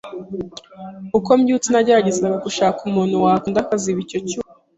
uko mbyutse nageragezaga gushaka umuntu wankunda akaziba icyo cyuho